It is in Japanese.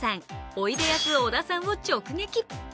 おいでやす小田さんを直撃。